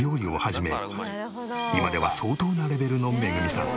今では相当なレベルのめぐみさん。